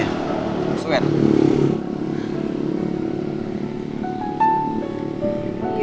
gak ada senang senangnya